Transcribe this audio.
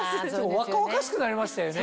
若々しくなりましたよね。